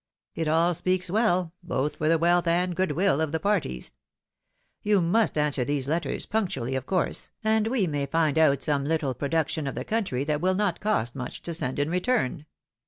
It all speaks well, both for the wealth and good will of the parties. You must answer these letters punctually, of 88 THE WIDOW MARRIED. course, and we may find out some little production of the country that will not cost much, to send in return.